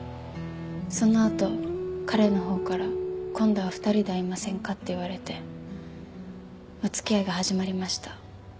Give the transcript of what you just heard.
そのあと彼のほうから今度は２人で会いませんかって言われてお付き合いが始まりました。